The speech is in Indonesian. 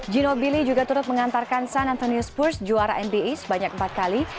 ginobili juga turut mengantarkan san antonio spurs juara nba sebanyak empat kali